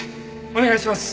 お願いします。